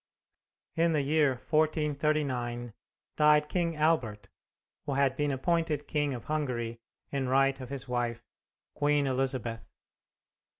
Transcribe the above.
In the year 1439 died King Albert, who had been appointed King of Hungary in right of his wife, Queen Elizabeth.